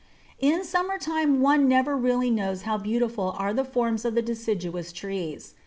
In summer time one never really knows how beautiful are the forms of the deciduous trees.